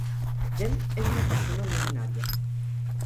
Gemm és una persona no binària.